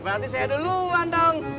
berarti saya duluan dong